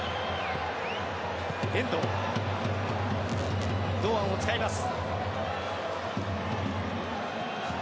遠藤、堂安を使います。